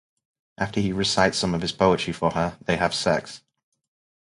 After he recites some of his poetry for her, they have sex.